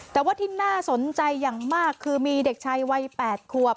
แต่ว่าที่น่าสนใจอย่างมากคือมีเด็กชายวัย๘ขวบ